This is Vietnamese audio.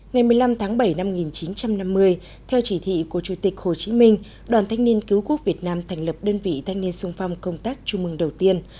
ngày một mươi năm tháng bảy năm một nghìn chín trăm năm mươi theo chỉ thị của chủ tịch hồ chí minh đoàn thanh niên cứu quốc việt nam thành lập đơn vị thanh niên sung phong công tác chung mừng đầu tiên